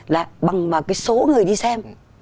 là bằng cái số người đi xem